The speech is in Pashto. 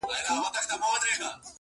چي دا ولي اې د ستر خالق دښمنه!!